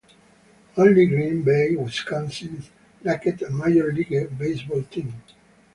Only Green Bay, Wisconsin, lacked a major league baseball team.